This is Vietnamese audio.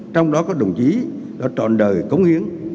trong đó có đồng chí đã chọn đời cống hiến